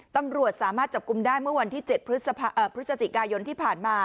ตำรวจสามารถจับกลุ่มได้เมื่อวันที่๗พฤศจิกายนที่ผ่านมา